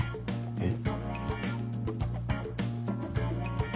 えっ？